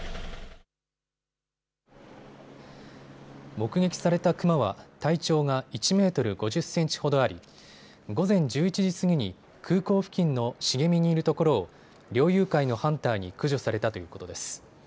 目撃されたクマは体長が１メートル５０センチほどあり午前１１時過ぎに空港付近の茂みにいるところを猟友会のハンターに駆除されたということです。